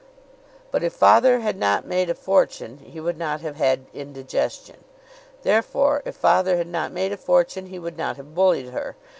But, if father had not made a fortune he would not have had indigestion. Therefore, if father had not made a fortune he would not have bullied her.